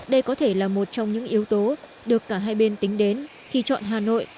đây có thể là một trong những yếu tố được cả hai bên tính đến khi chọn hà nội